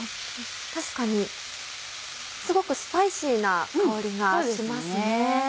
確かにすごくスパイシーな香りがしますね。